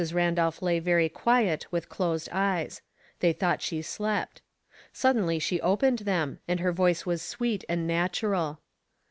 Randolph lay very quiet with closed eyes ; they thought she slept. Suddenly she opened them, and her voice was sweet and natural.